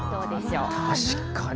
確かに。